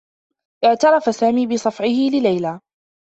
اعترف سامي بصفعه لليلى.